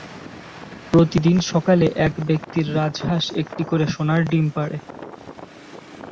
প্রতিদিন সকালে এক ব্যক্তির রাজহাঁস একটি করে সোনার ডিম পাড়ে।